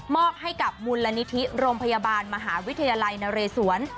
ให้กับมูลนิธิโรงพยาบาลมหาวิทยาลัยนเรศวร